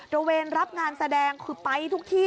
ระเวนรับงานแสดงคือไปทุกที่